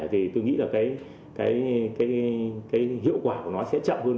thì tôi nghĩ là cái hiệu quả của nó sẽ chậm hơn